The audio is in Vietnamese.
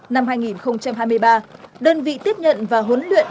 năm hai nghìn hai mươi ba đơn vị tiếp nhận và huấn luyện